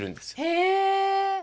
へえ。